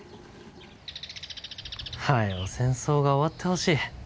早う戦争が終わってほしい。